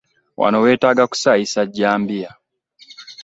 Wano wetaaga kusaayisa jambiya.